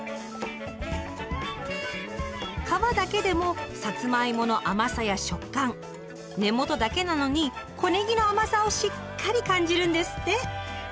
皮だけでもさつまいもの甘さや食感根元だけなのに小ねぎの甘さをしっかり感じるんですって。